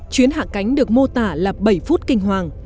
chuyến hạ cánh được mô tả là bảy phút kinh hoàng